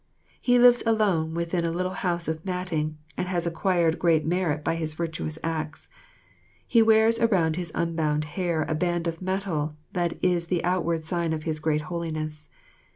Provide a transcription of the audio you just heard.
He lives alone within a little house of matting, and has acquired great merit by his virtuous acts. He wears around his unbound hair a band of metal that is the outward sign of his great holiness.